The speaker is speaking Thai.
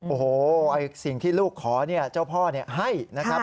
โอ้โหสิ่งที่ลูกขอเจ้าพ่อให้นะครับ